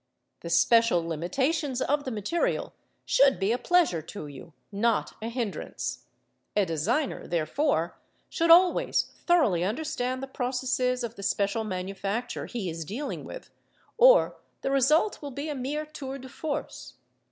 The special limitations of the material should be a pleasure to you, not a hindrance: a designer, therefore, should always thoroughly understand the processes of the special manufacture he is dealing with, or the result will be a mere tour de force.